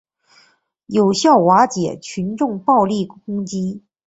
有效瓦解群众暴力攻击